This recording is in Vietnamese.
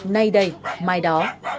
nay đây mai đó